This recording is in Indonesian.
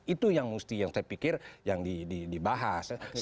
itu yang mesti yang saya pikir yang dibahas